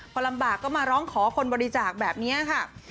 พอลำบากก็มาร้องขอคนบริจาคแบบนี้ค่ะ